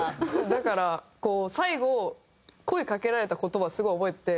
だから最後声かけられた言葉をすごい覚えてて。